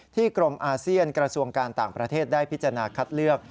กรมอาเซียนกระทรวงการต่างประเทศได้พิจารณาคัดเลือก